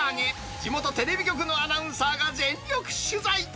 地元テレビ局のアナウンサーが全力取材。